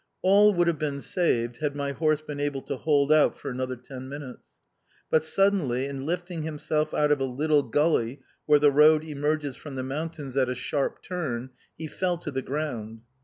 All would have been saved had my horse been able to hold out for another ten minutes. But suddenly, in lifting himself out of a little gulley where the road emerges from the mountains at a sharp turn, he fell to the ground.